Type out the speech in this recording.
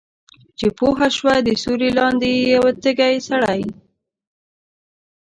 چې پوهه شوه د سیوری لاندې یې یو تږی سړی